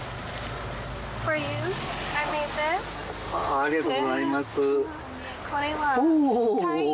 ありがとうございます。